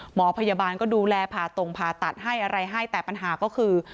หมอพยาบาลก็ดูแลผ่าตรงผ่าตัดให้อะไรให้แต่ปัญหาก็คือ